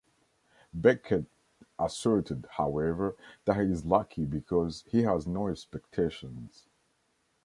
Beckett asserted, however, that he is lucky because he has "no expectations".